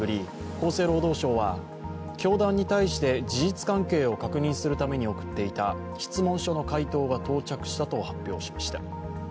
厚生労働省は教団に対して事実関係を確認するために送っていた質問書の回答が到着したと発表しました。